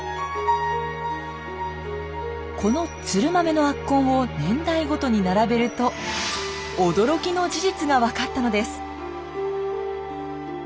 このツルマメの圧痕を年代ごとに並べると驚きの事実が分かったのです。